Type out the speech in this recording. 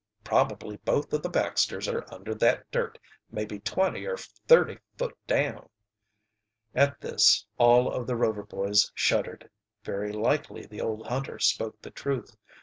Probably both o' the Baxters are under that dirt, mebbe twenty or thirty foot down." At this all of the Rover boys shuddered. Very likely the old hunter spoke the truth.